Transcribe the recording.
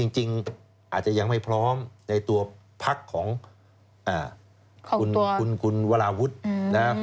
จริงอาจจะยังไม่พร้อมในตัวพักของคุณวราวุฒินะ